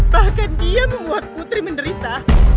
bahkan dia membuat putri menderita